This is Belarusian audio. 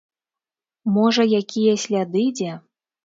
Можа якія сляды дзе?